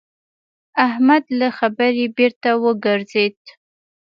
احمد له خبرې بېرته وګرځېد.